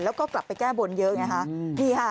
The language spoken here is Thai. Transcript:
แล้วก็กลับไปแก้บนเยอะไงฮะนี่ค่ะ